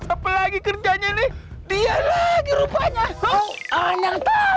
apa lagi kerjanya nih dia lagi rupanya